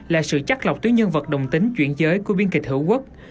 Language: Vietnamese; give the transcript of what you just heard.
là sự chắc lọc tuyến nhân vật đồng tính chuyển giới của biên kịch hữu quốc